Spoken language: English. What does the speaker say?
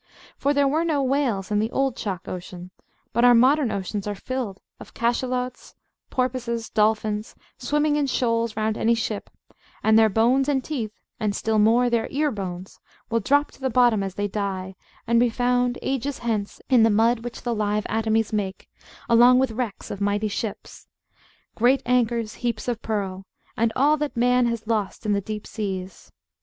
For there were no whales in the old chalk ocean; but our modern oceans are full of cachalots, porpoises, dolphins, swimming in shoals round any ship; and their bones and teeth, and still more their ear bones, will drop to the bottom as they die, and be found, ages hence, in the mud which the live atomies make, along with wrecks of mighty ships "Great anchors, heaps of pearl," and all that man has lost in the deep seas.